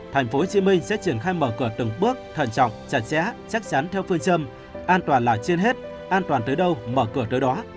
tp hcm sẽ triển khai mở cửa từng bước thần trọng chặt chẽ chắc chắn theo phương châm an toàn là trên hết an toàn tới đâu mở cửa tới đó